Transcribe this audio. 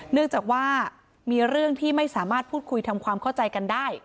เนื่องจากว่ามีเรื่องที่ไม่สามารถพูดคุยทำความเข้าใจกันได้